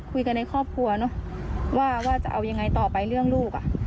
คุยกันในครอบครัวเนอะว่าจะเอายังไงต่อไปเรื่องลูก